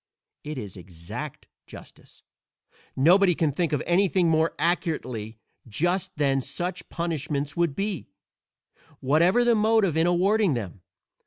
It is exact justice: nobody can think of anything more accurately just than such punishments would be, whatever the motive in awarding them.